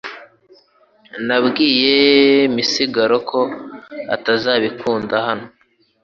Nabwiye misigaro ko atazabikunda hano .